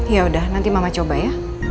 yaudah nanti mama coba ya